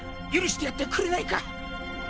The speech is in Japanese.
許してやってくれないか？